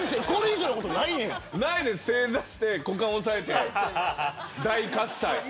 正座して股間押さえて大喝采。